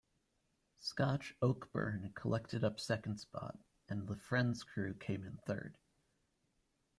Scotch Oakburn collected up second spot and the Friends crew came in third.